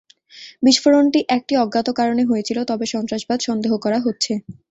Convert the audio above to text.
বিস্ফোরণটি একটি অজ্ঞাত কারণে হয়েছিল, তবে সন্ত্রাসবাদ সন্দেহ করা হচ্ছে।